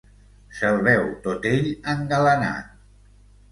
Se’l veu tot ell engalanat.